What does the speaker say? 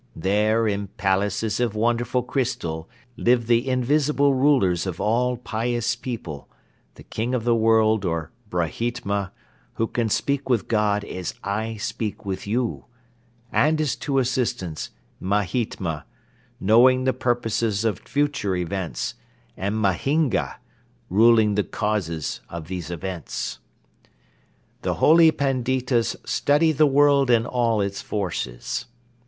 There in palaces of wonderful crystal live the invisible rulers of all pious people, the King of the World or Brahytma, who can speak with God as I speak with you, and his two assistants, Mahytma, knowing the purposes of future events, and Mahynga, ruling the causes of these events." "The Holy Panditas study the world and all its forces.